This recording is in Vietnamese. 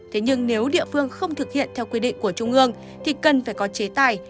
thế nhưng nếu địa phương không thực hiện theo quy định của trung ương thì cần phải có chế tài